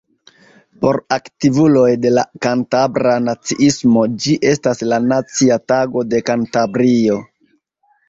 Por aktivuloj de la kantabra naciismo ĝi estas la nacia tago de Kantabrio.